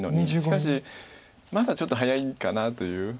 しかしまだちょっと早いかなという。